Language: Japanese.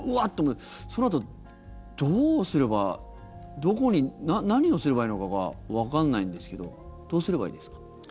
そのあと、どうすればどこに何をすればいいのかがわからないんですけどどうすればいいんですか？